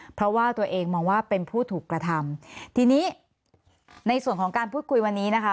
เพราะว่าตัวเองมองว่าเป็นผู้ถูกกระทำทีนี้ในส่วนของการพูดคุยวันนี้นะคะ